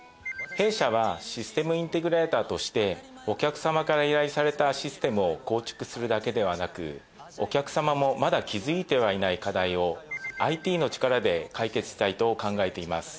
弊社はシステムインテグレーターとしてお客様から依頼されたシステムを構築するだけではなくお客様もまだ気づいてはいない課題をＩＴの力で解決したいと考えています。